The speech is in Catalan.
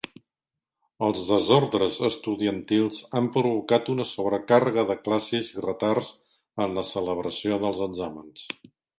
Els desordres estudiantils han provocat una sobrecàrrega de classes i retards en la celebració dels exàmens.